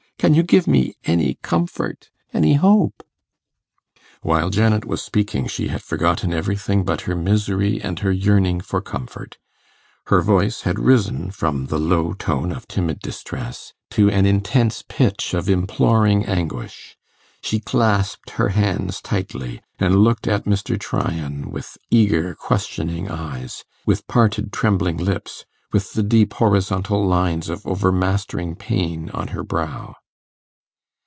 Can you give me any comfort any hope?' While Janet was speaking, she had forgotten everything but her misery and her yearning for comfort. Her voice had risen from the low tone of timid distress to an intense pitch of imploring anguish. She clasped her hands tightly, and looked at Mr. Tryon with eager questioning eyes, with parted, trembling lips, with the deep horizontal lines of overmastering pain on her brow.